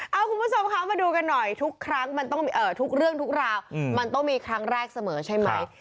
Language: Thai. เอาคุณผู้ชมคะมาดูกันหน่อยทุกครั้งมันต้องทุกเรื่องทุกราวมันต้องมีครั้งแรกเสมอใช่ไหม